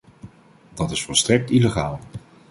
Dat is volstrekt illegaal.